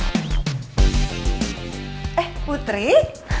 tante aku seneng ketemu tante disini